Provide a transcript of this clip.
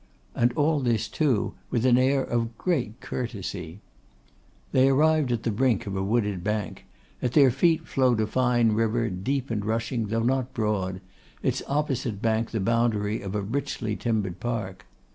And all this, too, with an air of great courtesy. They arrived at the brink of a wooded bank; at their feet flowed a fine river, deep and rushing, though not broad; its opposite bank the boundary of a richly timbered park.